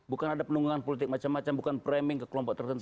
bukan ada penunggangan politik macam macam bukan framing ke kelompok tertentu